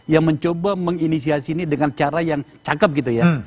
yang mencoba menginisiasi ini dengan cara yang cakep gitu ya